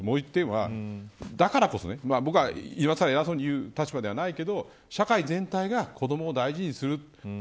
点だと思うのともう１点は、だからこそ僕は今更偉そうに言う立場ではないけど社会全体が子どもを大事にする。